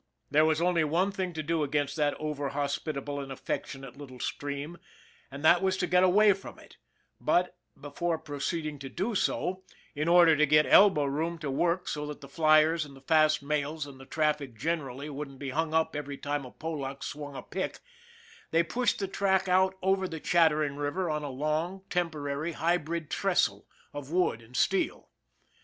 There was only one thing to do against that over hospitable and affectionate little stream, and that was to get away from it; but, before proceeding to do so THE BUILDER 127 in order to get elbow room to work so that the flyers and the fast mails and the traffic generally wouldn't be hung up every time a Polack swung a pick they pushed the track out over the chattering river on a long, temporary, hybrid trestle of wood and steel.